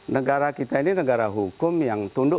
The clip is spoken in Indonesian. negara kita ini negara hukum yang tunduk